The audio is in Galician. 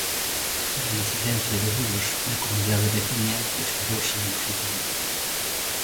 Pero a incidencia do virus na comunidade veciña disparouse nos últimos días.